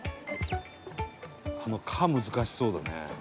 「あの“か”難しそうだね」